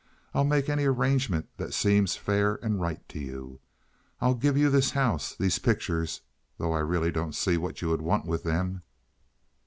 I'll make any arrangement that seems fair and right to you. I'll give you this house—these pictures, though I really don't see what you'd want with them."